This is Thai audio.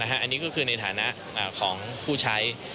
อันนี้ก็คือในฐานะของผู้ใช้